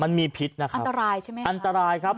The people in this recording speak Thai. มันมีพิษนะครับอันตรายใช่ไหมครับอันตรายครับ